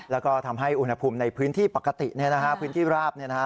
แล้วก็ทำให้อุณหภูมิในพื้นที่ปกติพื้นที่ราบ